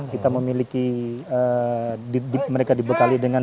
kita memiliki mereka dibekali dengan